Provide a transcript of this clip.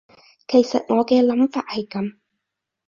其實我嘅諗法係噉